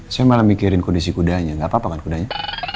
saya malah mikirin kondisi kudanya gak apa apa kan kudanya